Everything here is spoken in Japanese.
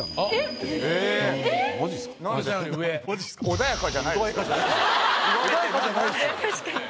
穏やかじゃないですよ。